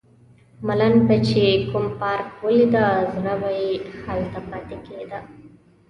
ملنګ به چې کوم پارک ولیده زړه به یې هلته پاتې کیده.